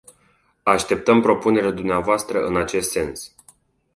Așteptăm propunerile dvs. în acest sens.